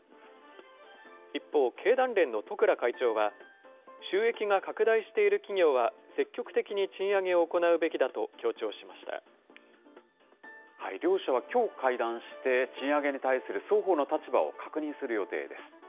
一方、経団連の十倉会長は、収益が拡大している企業は積極的に賃上げを行うべきだと強調しま両者はきょう会談して、賃上げに対する双方の立場を確認する予定です。